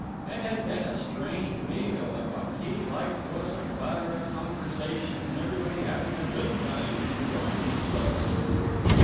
It had been a strained meal, and what he liked was a clatter of conversation and everybody having a good time and enjoying themselves.